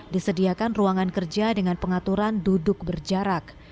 disediakan ruangan kerja dengan pengaturan duduk berjarak